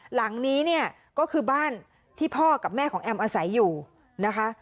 หลังนี้เนี่ยก็คือบ้านที่พ่อกับแม่ของแอมอาศัยอยู่นะคะ